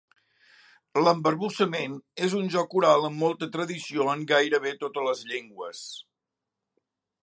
L'embarbussament és un joc oral amb molta tradició en gairebé totes les llengües.